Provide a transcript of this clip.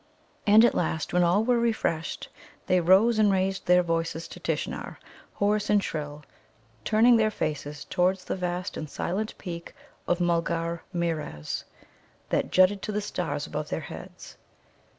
And at last, when all were refreshed, they rose and raised their voices to Tishnar, hoarse, and shrill, turning their faces towards the vast and silent peak of Mulgarmeerez, that jutted to the stars above their heads.